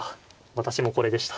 私もこれでした。